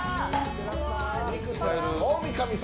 大御神様！